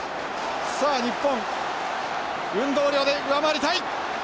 さあ日本運動量で上回りたい！